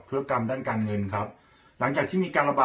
เครื่องกรรมด้านการเงินครับ